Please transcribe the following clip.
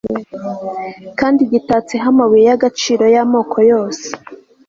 kandi gitatseho amabuye y'agaciro y'amoko yose